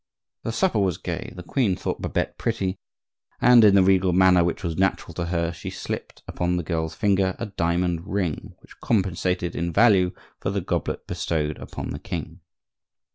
The supper was gay; the queen thought Babette pretty, and, in the regal manner which was natural to her, she slipped upon the girl's finger a diamond ring which compensated in value for the goblet bestowed upon the king.